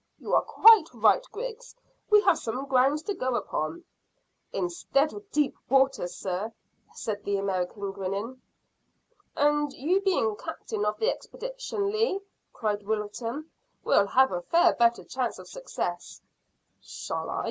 You are quite right, Griggs; we have some grounds to go upon." "Instead of deep water, sir," said the American, grinning. "And you being captain of the expedition, Lee," cried Wilton, "will have a far better chance of success." "Shall I?